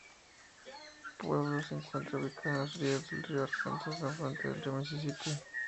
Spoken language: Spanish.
Pueblo se encuentra ubicada a orillas del río Arkansas, afluente de río Misisipi.